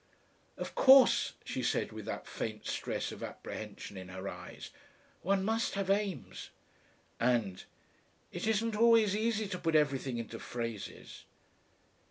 "Of course, she said with that faint stress of apprehension in her eyes, one must have aims." And, "it isn't always easy to put everything into phrases."